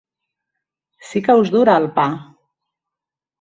Sí que us dura, el pa!